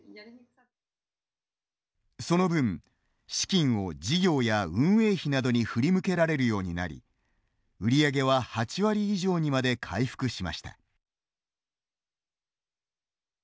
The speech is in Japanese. その分資金を事業や運営費などに振り向けられるようになり売り上げは８割以上にまで回復しました。